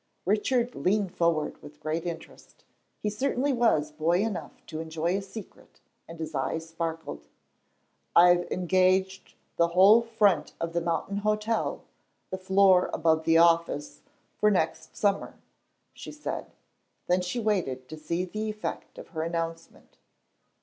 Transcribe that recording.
Richard leaned forward with great interest. He certainly was boy enough to enjoy a secret, and his eyes sparkled. "I've engaged the whole front of the mountain hotel, the floor above the office, for next summer," she said. Then she waited to see the effect of her announcement.